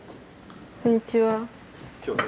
こんにちは。